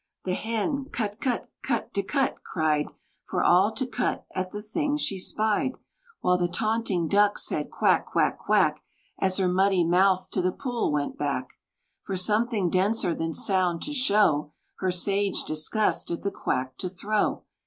The Hen, "Cut, cut, cut dah cut!" cried, For all to cut at the thing she spied; While the taunting Duck said, "Quack, quack, quack!" As her muddy mouth to the pool went back, For something denser than sound, to show Her sage disgust, at the quack to throw.